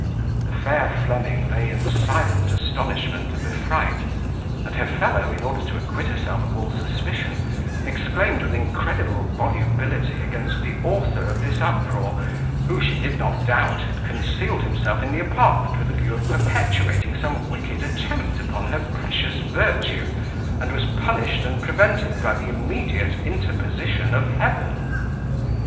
The fair Fleming lay in silent astonishment and affright; and her fellow in order to acquit herself of all suspicion, exclaimed with incredible volubility against the author of this uproar, who, she did not doubt, had concealed himself in the apartment with a view of perpetuating some wicked attempt upon her precious virtue, and was punished and prevented by the immediate interposition of heaven.